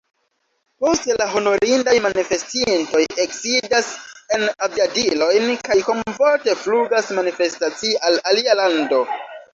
Poste la honorindaj manifestintoj eksidas en aviadilojn kaj komforte flugas manifestacii al alia lando.